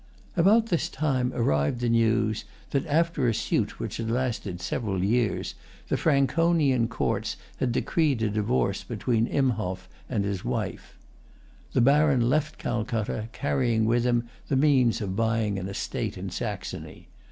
About this time arrived the news that, after a suit which had lasted several years, the Franconian courts had decreed a divorce between Imhoff and his wife. The[Pg 163] Baron left Calcutta, carrying with him the means of buying an estate in Saxony.